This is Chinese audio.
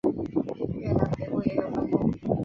越南北部也有分布。